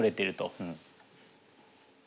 うん。